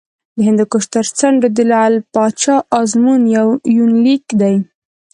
د هندوکش تر څنډو د لعل پاچا ازمون یونلیک دی